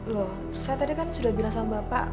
loh saya tadi kan sudah bilang sama bapak